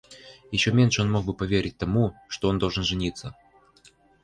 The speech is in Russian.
Еще меньше он мог бы поверить тому, что он должен жениться.